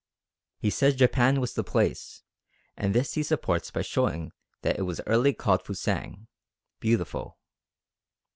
He says Japan was the place, and this he supports by showing that it was early called Fusang (beautiful).